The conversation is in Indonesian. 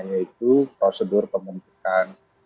yaitu prosedur pemuntukan